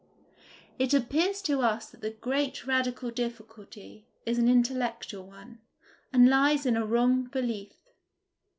It appears to us that the great radical difficulty is an intellectual one, and lies in a wrong belief.